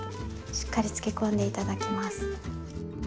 しっかり漬けこんで頂きます。